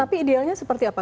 tapi idealnya seperti apa